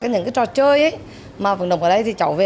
những trò chơi mà vận động ở đây thì chóng